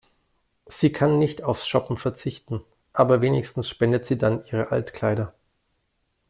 Sie kann nicht aufs Shoppen verzichten, aber wenigstens spendet sie dann ihre Altkleider.